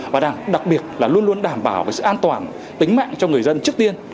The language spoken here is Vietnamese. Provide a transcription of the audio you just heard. và đặc biệt là luôn luôn đảm bảo sự an toàn tính mạng cho người dân trước tiên